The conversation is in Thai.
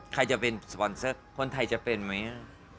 ใครจะเป็นสปอนเซอร์คนไทยจะเป็นไหม